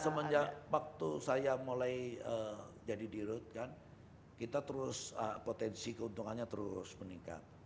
semenjak waktu saya mulai jadi dirut kan kita terus potensi keuntungannya terus meningkat